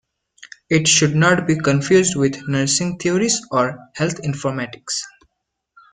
It should not be confused with nursing theories or health informatics.